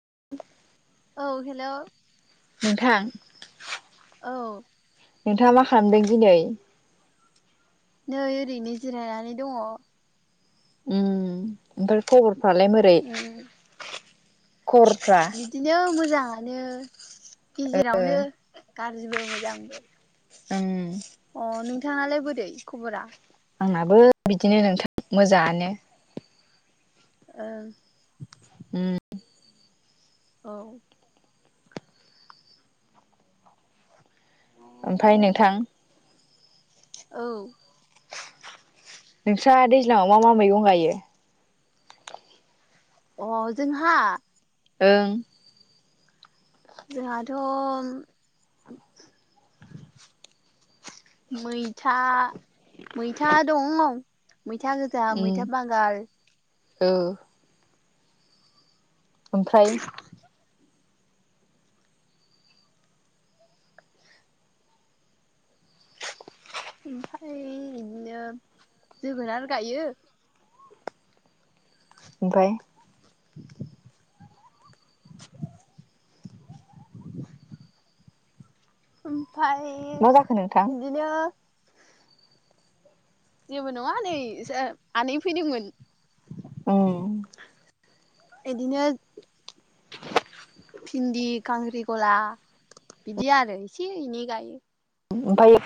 [inaudible] औ हेल' नोंथां? औ। नोंथाङा मा खालामदों दिनै? नै ओरैनो जिरायनानै दङ'। उम ओमफ्राय खबरफ्रालाय बोरै? उम बिदिनो मोजाङानो गेजेरावनो। गाज्रिबो मोजांबो। उम। अ नोंथाङालाय बोरै खबरा? आंनाबो बिदिनो नोंथां मोजाङानो। ओ उम। औ। ओमफ्राय नोंथां औ। नोंस्रा दैज्लांआव मा मा मैगं गायो? अ जोंहा ओं। जोंहाथ' मैथा मैथा दङ' मैथा गोजा, उम मैथा बांगाल औ। ओमफ्राय ओमफाय इदनो जोगोनार गायो ओमफाय [unintelligible] ओमफाय मा जाखो नोंथां इदिनो जेबो नङा नै जा आनै फैदोंमोन। उम एदिनो [unintelligible] भिन्दि खांख्रि गला बिदि आरो एसे इनै गायो। ओमफाय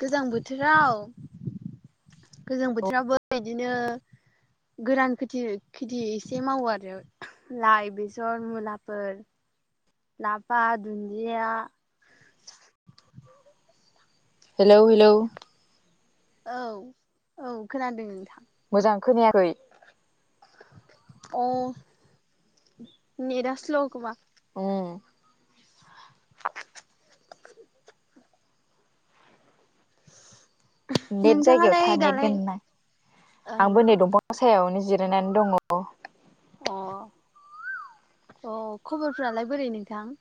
गोजां बोथोराव गोजां बोथोरावबो बिदिनो गोरान फिथि खेथि एसे मावो आरो लाइ बिसर मुलाफोर लाफा दुन्दिया हेलौ हेलौ। औ औ खोनादों नोंथा। दां खोनाखै। अ नेटआ स्ल' खोमा। उम नेट जायगायाव नोंथाङालाय था नेट दालाय गोनां ओं आंबो नै दंफां सायावनो जिरायनानै दङ। अ अ खबरफ्रालाय बोरै नोंथां?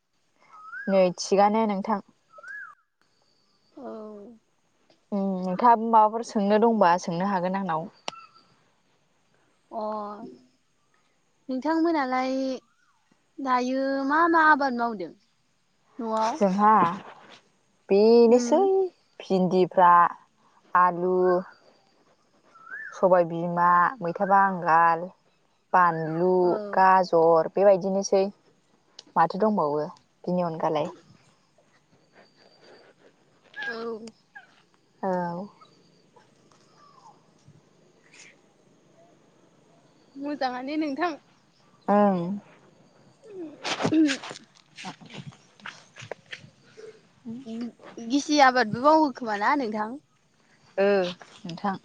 नै थिगानो नोंथां। औ उ नोंथाबो माबाफोर सोंनो दंबा सोंनो हागोन आंनाव। अ नोंथांमोनालाय दायो मा मा आबाद मावदों? न'आव जोहा उम बेनोसै भिन्दिफ्रा आलु सबाय बिमा मैथा बांगाल बानलु औ गाजर बेबायदिनोसै माथो दंबावो बेनि अनगालाय। औ आव मोजाङानो नोंथां। औ गि गिसि आबादबो मावहोखोम ना नोंथां? ओ नोंथां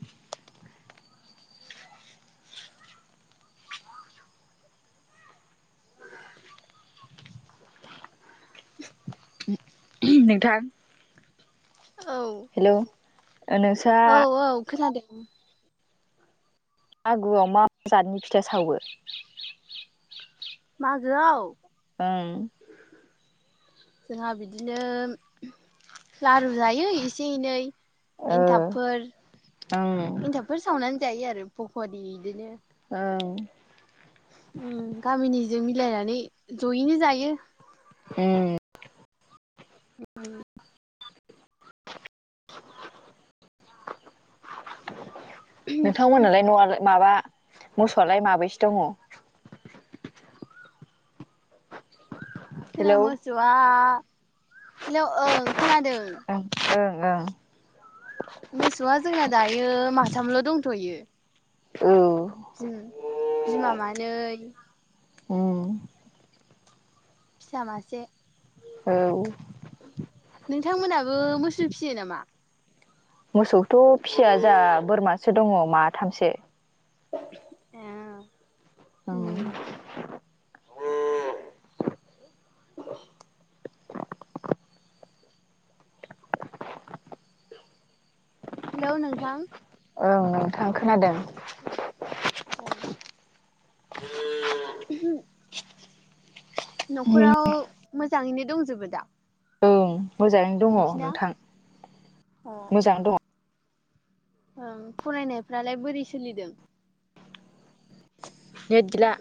नों नोंथां औ हेल' औ औ खोनादों आगुआव मा जातनि फिथा सावो? मागोआव ओं जोंहा बिदिनो म लारु जायो एसे एनै ओ एन्थाबफोर ओं एन्थाबफोर सावनानै जायो आरो पक'रि इदिनो। ओं उ गामिनिजों मिलायनानै जयैनो जायो। उम उम नोंथांमोनालाय न'आलाय माबा मोसौवालाय माबैसो दङ? जोंना हेलौ मोसौवा हिलौ ओं खोनादों। ओं ओं ओं। मोसौवा जोंना दायो माथामल' दंथ'यो। बि बिमा मानै उम। फिसा मासे। औ नोंथांमोनाबो मोसौ फियो नामा? मोसौथ' फिसिया जाहा बोरमासो दङ माथामसो। ए उम। [inaudible] हिलौ नोंथां आं खोनादों ‌। [unintelligible] न'खराव मोजाङैनो दंजोबो दा? ओं मोजाङैनो दङ नोंसिना? नोंथां अ मोजाङै दङ। ओं फरायनायफ्रालाय बोरै सोलिदों? नेट गैला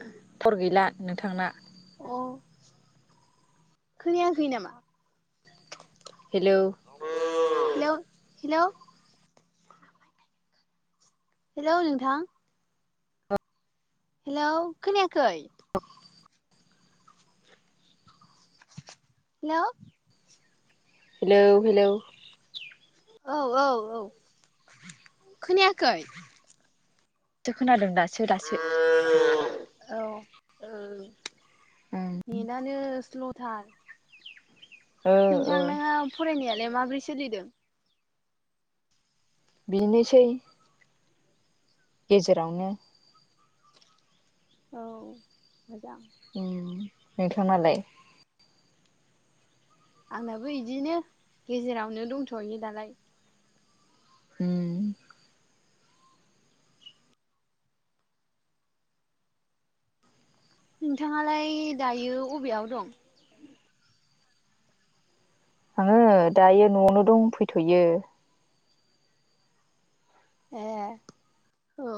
टावार गैला नोंथांना। अ खोनायाखै नामा? हेलौ हिलौ हेलौ नोंथां हेलौ खोनायाखै? [inaudible] हेलौ हेलौ हेलौ औ औ औ खोनायाखै? दासो खोनादों दासो दासो। औ नेटानो स्ल'थार। ओ नोंथां ओ नोङा फरायनायालाय माबोरै सोलिदों? बेनोसै। गेजेरावनो। औ मोजां। उम नोंथांनालाय? आंनाबो इदिनो गेजेरावनो दंथ'यो दालाय। उमह ‌। नोंथाङालाय दायो अबेयाव दं? आङो दायो न'वावनो दंफैथ'यो। ए औ।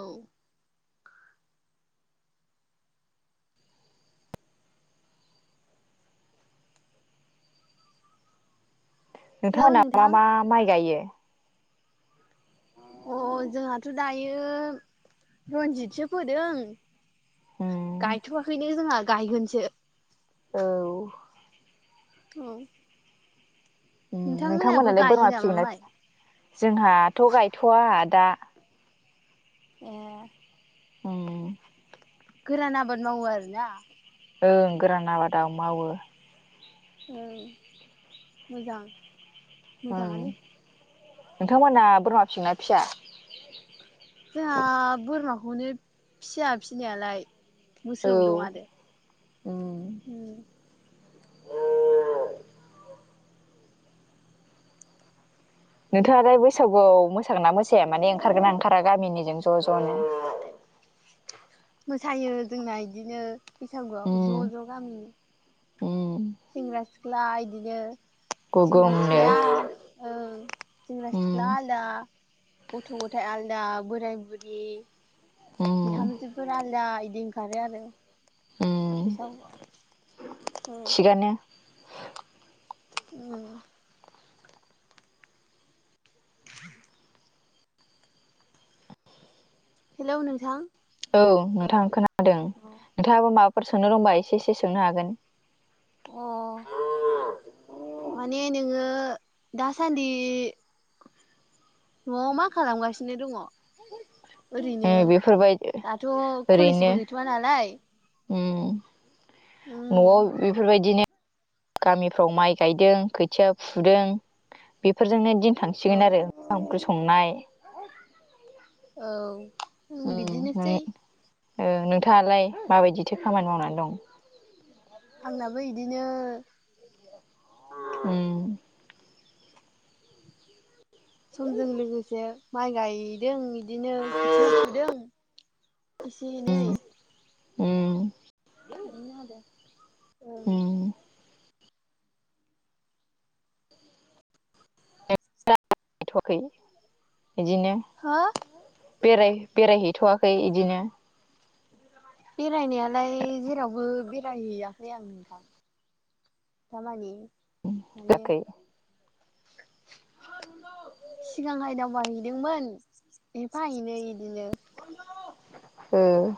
हेलौ नोंथांमोनहा मा नोंथां मा माइ गायो? अ जोंहाथ' दायो रन्जितसो फोदों उम गायथ'वाखैनो जोंहा गायगोनसो। औ। औ ‌। उम नोंथांमोनहालाय गायो बोरमा नामा फिगोनना माइ फिया? जोंहाथ' गायथ'वा दा ए। उम। गोरान आबाद मावो आरो ना? ओं गोरान आबादाव मावो। औ मोजां उम मोजाङानो। नोंथांमोना बोरमा फिसियोना फिया? जोंहा बोरमाखौनो फिया फिनायालाय। औ मोसौ दं आरो। उम नोंथाङालाय बैसागुयाव मोसायोना मोसाया माने ओंखारगोना ओंखारा गामिनिजों ज' ज'नो? [inaudible] मोसायो जोंना इदिनो बैसागुयाव उम ज' ज' गामिनि। उम सेंग्रा सिख्ला बिदिनो। सेंग्रा गुगुमनो सिख्लाया औ सेंग्रा उम सिख्ला आलदा। गथ' गथाइ आलदा बोराय बुरि उम बिहामजोफोर आलदा इदि। ओंखारो आरो उम बैसागुयाव औ। थिगानो औ। [inaudible] हेल' नोंथां। औ नोंथां खोनादों नोंथाङाबो माबाफोर सोंनो दंबा एसे एसे सोंनो हागोन। अ। माने नोङो दासानदि न'याव मा खालामगासिनो दङ उम ओरैनो बेफोरबायदि दाथ' कलेजबो ओरैनो गैथ'वा नालाय उम न'आव उम बेफोरबायदिनो गामिफ्राव माइ गायदों खोथिया फुदों बे बेफोरजोंनो दिन औ थांसिगोन आरो ओंखाम ओंख्रि संनाय औ उम ओम बिदिनोसै नोंथाङालाय माबायदिथो खामानि मावनानै दं आंनाबो बिदिनो ओम समजों लोगोसे माइ गायदों बिदिनो खोथिया फुदों एसे एनै ओम न'नि उम औ गायथ'याखै बिदिनो हो बेराय बेरायहैथ'वाखै बिदिनो बेरायनायालाय जेरावबो बेरायहैयाखै आं नोंथां दामानि माने जाखै सिगांहाय दावबाय हैदोंमोन एफा एनै बिदिनो औ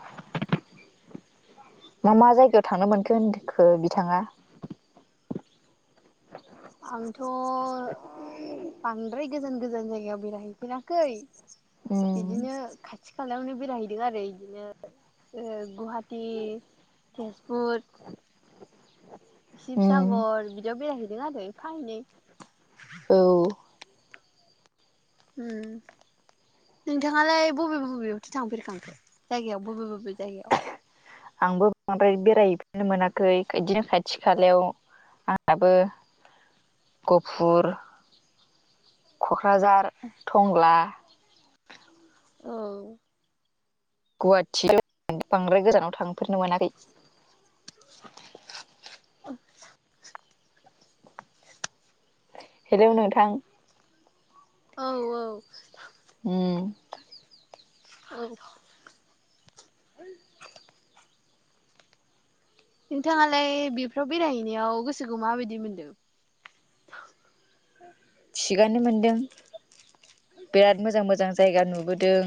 मा मा जायगायाव थांनो मोनखो होनखो बिथाङा आंथ' बांद्राय गोजान गोजान जायगायाव बेरायहैफेराखै उम बिदिनो खाथि खालावनो बेरायहैदों आरो बिदिनो ओ गुवाहाटी तेजपुर उम शिबसागर बिदियाव बेरायहैदों आरो एफा एनै औ ओम नोंथाङालाय बबे बबेयावथो थांफेरखो जायगायाव बबे बबे जायगायाव आंबो बांद्राय बेरायहैफेरनो मोनाखै बिदिनो खाथि खालायाव। आंहाबो गहपुरनि क'क्राझार टंला औ गुवाहाटियाव बांद्राय गोजानाव थांफेरनो मोनाखै। [inaudible] औ। हेलौ नोंथां। औ औ। उम। औ। है। नोंथाङालाय बेफोराव बेरायहैनायाव गोसोखौ माबायदि मोनदों। थिगानो मोनदों। बिराद मोजां मोजां जायगा नुबोदों।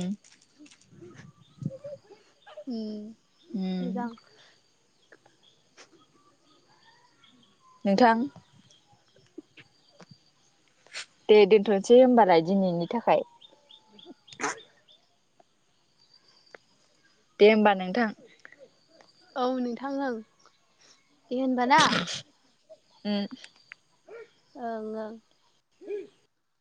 उम उम मोजां। नोंथां। दे दोनथ'सै हबालाय दिनैनि थाखाय। दे होमबा नोंथां। औ नोंथां ओं दे होनब ना। उम। ओं ओं। [unintelligible]